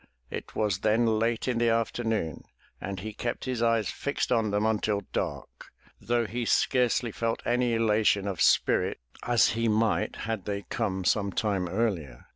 It was then late in the afternoon and he kept his eyes fixed on them until dark, though he scarcely felt any elation of spirit, as he might had they come some time earlier.